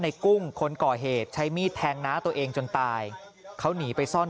กุ้งคนก่อเหตุใช้มีดแทงน้าตัวเองจนตายเขาหนีไปซ่อน